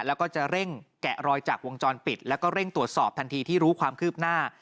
แล้วก็จะเร่งแกะรอยจากวงจรปิดแล้วก็เร่งตรวจสอบทันทีที่รู้ความคืบหน้า